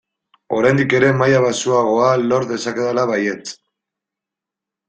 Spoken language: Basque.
Oraindik ere maila baxuagoa lor dezakedala baietz!